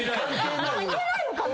関係ないのかな！？